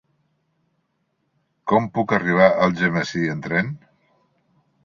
Com puc arribar a Algemesí amb tren?